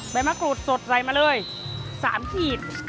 มะกรูดสดใส่มาเลย๓ขีด